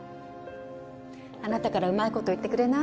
あなたからうまいこと言ってくれない？